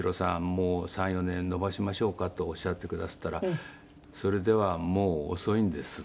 もう３４年延ばしましょうか？」とおっしゃってくださったら「それではもう遅いんです」って言った。